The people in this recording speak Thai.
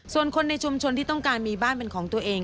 ส่วนคนในชุมชนที่ต้องการมีบ้านเป็นของตัวเอง